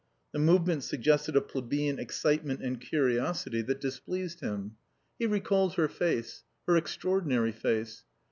The movement suggested a plebeian excitement and curiosity that displeased him. He recalled her face. Her extraordinary face.